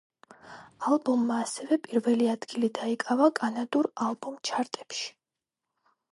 ალბომმა ასევე პირველი ადგილი დაიკავა კანადურ ალბომ ჩარტებში.